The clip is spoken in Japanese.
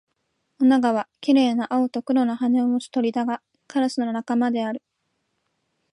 オナガは綺麗な青と黒の羽を持つ鳥だが、カラスの仲間である